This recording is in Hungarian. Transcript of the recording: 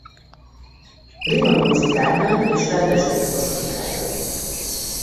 Rimanóczy Kálmán és Rendes Vilmos munkája.